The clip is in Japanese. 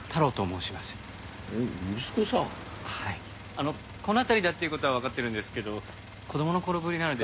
あのこの辺りだっていう事はわかってるんですけど子供の頃ぶりなので。